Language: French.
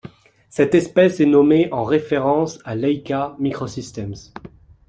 Cette espèce est nommée en référence à Leica Microsystems.